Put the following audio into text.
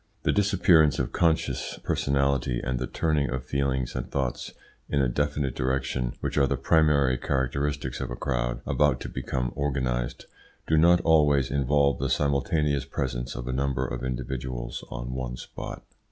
The disappearance of conscious personality and the turning of feelings and thoughts in a definite direction, which are the primary characteristics of a crowd about to become organised, do not always involve the simultaneous presence of a number of individuals on one spot.